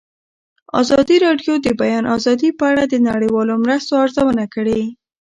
ازادي راډیو د د بیان آزادي په اړه د نړیوالو مرستو ارزونه کړې.